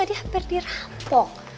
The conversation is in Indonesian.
kamu tadi hampir dirampok